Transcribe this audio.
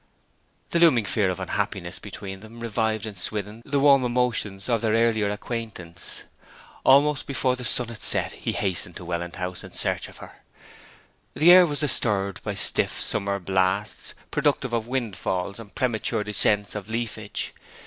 The looming fear of unhappiness between them revived in Swithin the warm emotions of their earlier acquaintance. Almost before the sun had set he hastened to Welland House in search of her. The air was disturbed by stiff summer blasts, productive of windfalls and premature descents of leafage.